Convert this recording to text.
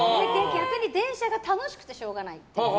逆に電車が楽しくてしょうがない。